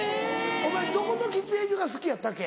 お前どこの喫煙所が好きやったっけ？